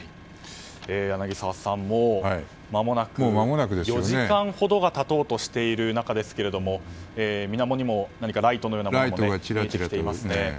柳澤さん、もうまもなく４時間ほどが経とうとしている中ですが水面にもライトのようなものが見えてきていますね。